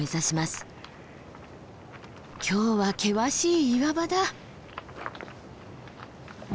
今日は険しい岩場だ。